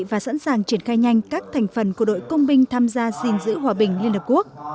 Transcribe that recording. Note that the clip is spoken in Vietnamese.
và sẵn sàng triển khai nhanh các thành phần của đội công binh tham gia gìn giữ hòa bình liên hợp quốc